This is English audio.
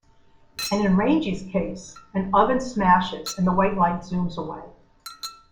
And in Rangy's case, an oven smashes and the white light zooms away.